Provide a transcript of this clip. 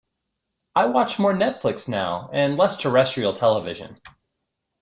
I watch more Netflix now, and less terrestrial television